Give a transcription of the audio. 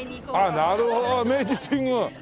ああなるほど明治神宮。